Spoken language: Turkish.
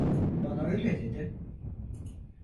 Bana öyle dedi.